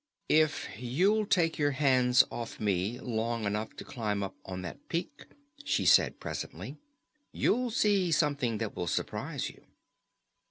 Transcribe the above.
"If you'll take your hands off me long enough to climb up on that peak," she said presently, "you'll see something that will surprise you."